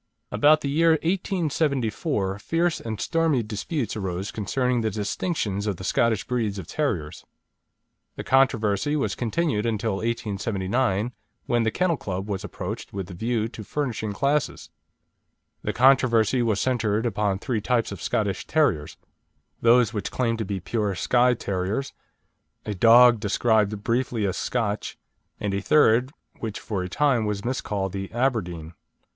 About the year 1874, fierce and stormy disputes arose concerning the distinctions of the Scottish breeds of terriers. The controversy was continued until 1879, when the Kennel Club was approached with the view to furnishing classes. The controversy was centred upon three types of Scottish terriers: those which claimed to be pure Skye Terriers, a dog described briefly as Scotch, and a third, which for a time was miscalled the Aberdeen.